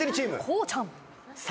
こうちゃん。